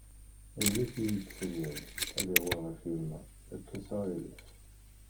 Ayen akk i iyi-d-tenniḍ ad yaweḍ ɣer yemma, kkes aɣilif.